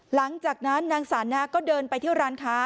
หลังจากนั้นนางสานะก็เดินไปที่ร้านค้า